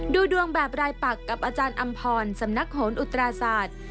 ดูดวงแบบรายปักกับอาจารย์อำพรสำนักโหนอุตราศาสตร์